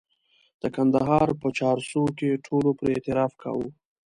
د کندهار په چارسو کې ټولو پرې اعتراف کاوه.